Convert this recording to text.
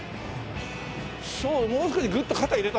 そうもう少しグッと肩入れた方がいいかな。